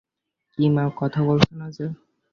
কি মা, কথা বলছ না যে?